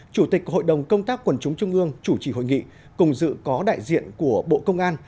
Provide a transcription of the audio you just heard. chủ tịch hội đồng công tác quần chúng trung ương chủ trì hội nghị cùng dự có đại diện của bộ công an